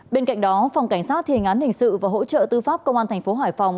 bên cạnh đó phòng cảnh sát thề ngán hình sự và hỗ trợ tư pháp công an thành phố hải phòng